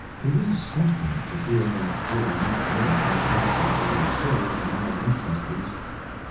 It is something to feel that we are not more fantastic or absurd than our ancestors.